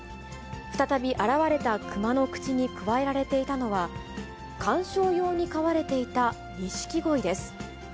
再び現れたクマの口にくわえられていたのは、観賞用に飼われていたニシキゴイです。